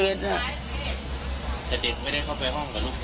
แต่เด็กไม่ได้เข้าไปห้องกับลูก